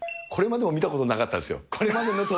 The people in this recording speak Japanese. これまでも見たことなかったですよ。